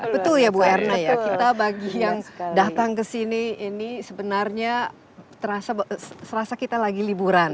betul ya bu erna ya kita bagi yang datang ke sini ini sebenarnya serasa kita lagi liburan